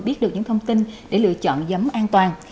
biết được những thông tin để lựa chọn giống an toàn